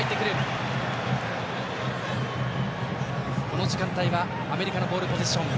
この時間帯はアメリカのボールポゼッション。